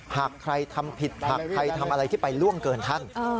หากใครทำผิดหากใครทำอะไรที่ไปล่วงเกินท่าน